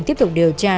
tiếp tục điều tra